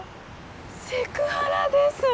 セクハラです。